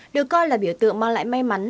được coi là biểu tượng mang lại may mắn